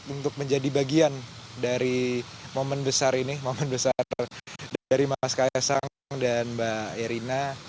yang bisa menjadi bagian dari momen besar ini dari mas kaya sang dan mbak irina